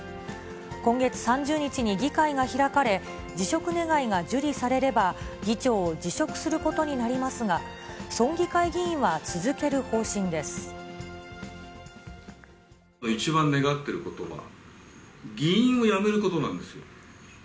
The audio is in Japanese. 今月３０日に議会が開かれ、辞職願が受理されれば、議長を辞職することになりますが、村議会一番願っていることは、議員を辞めることなんですよ。